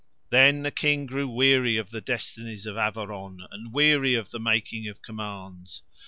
Then the King grew weary of the destinies of Averon and weary of the making of commands.